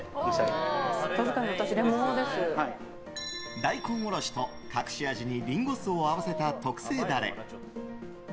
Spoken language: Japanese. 大根おろしと、隠し味にリンゴ酢を合わせた特製ダレ。